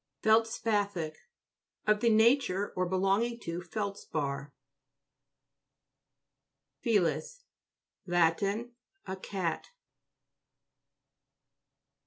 FELDSPA'THIC Of the nature t or be longing to feldspar. FELIS Lat. A cat.